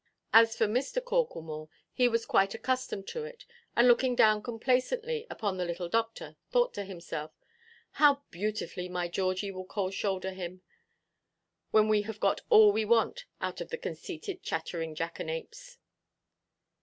As for Mr. Corklemore, he was quite accustomed to it; and looking down complacently upon the little doctor, thought to himself, "How beautifully my Georgie will cold–shoulder him, when we have got all we want out of the conceited chattering jackanapes."